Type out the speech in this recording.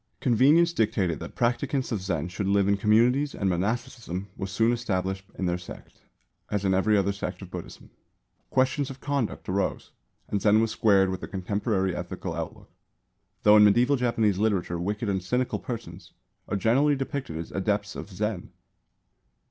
Convenience dictated that practicants of Zen should live in communities and monasticism was soon established in their sect, as in every other sect of Buddhism. Questions of conduct arose, and Zen was squared with the contemporary ethical outlook; though in medieval Japanese literature wicked and cynical persons are generally depicted as adepts of Zen.